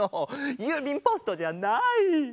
ゆうびんポストじゃない！